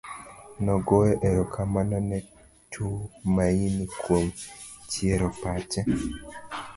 Nogoyo ero kamano ne Tumaini kuom chiero pache